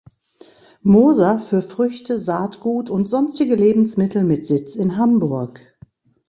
Moser“ für Früchte, Saatgut und sonstige Lebensmittel mit Sitz in Hamburg.